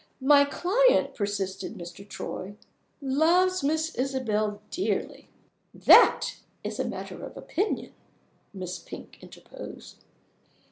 "My client," persisted Mr. Troy, "loves Miss Isabel dearly." "That is a matter of opinion," Miss Pink interposed.